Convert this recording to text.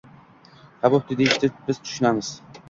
“Ha, bo’pti”, — deyishdi, biz tushunamiz.